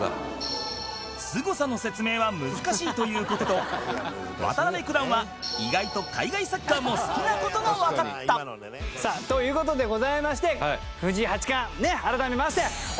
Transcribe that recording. すごさの説明は難しいという事と渡辺九段は意外と海外サッカーも好きな事がわかったさあという事でございまして藤井八冠改めましておめでとうございます。